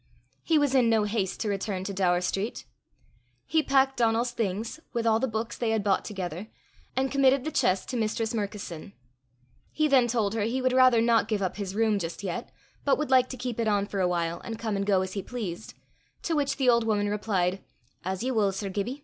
He was in no haste to return to Daur street. He packed Donal's things, with all the books they had bought together, and committed the chest to Mistress Murkison. He then told her he would rather not give up his room just yet, but would like to keep it on for a while, and come and go as he pleased; to which the old woman replied, "As ye wull, Sir Gibbie.